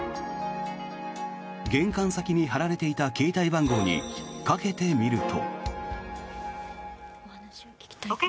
玄関先に貼られていた携帯番号にかけてみると。